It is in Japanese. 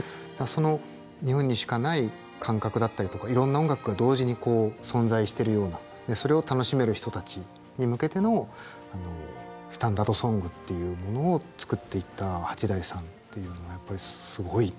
その日本にしかない感覚だったりとかいろんな音楽が同時に存在してるようなそれを楽しめる人たちに向けてのスタンダード・ソングっていうものを作っていった八大さんっていうのはやっぱりすごい。